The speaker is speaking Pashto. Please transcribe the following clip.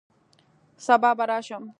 سبا به راشم